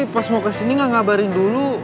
pas mau kesini gak ngabarin dulu